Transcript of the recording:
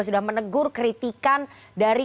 sudah menegur kritikan dari